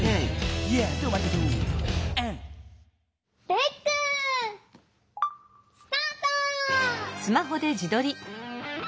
レックスタート！